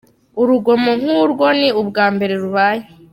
Urugomo nk’uru ni ubwa mbere rubaye.